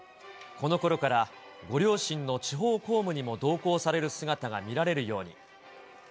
このころから、ご両親の地方公務にも同行される姿が見られるように。